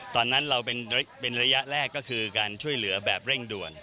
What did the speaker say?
ตอนนั้นเราเป็นระยะแรกก็คือการช่วยเหลือแบบเร่งด่วน